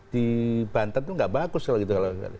di banten itu tidak bagus kalau begitu